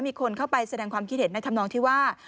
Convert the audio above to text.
มีคนเข้าไปแสดงความคิดเห็นในธรรมนองที่ว่า